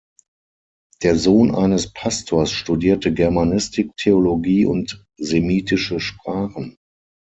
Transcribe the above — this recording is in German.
Der Sohn eines Pastors studierte Germanistik, Theologie und semitische Sprachen.